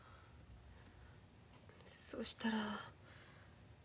そしたら。